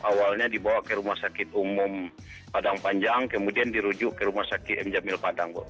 awalnya dibawa ke rumah sakit umum padang panjang kemudian dirujuk ke rumah sakit m jamil padang bu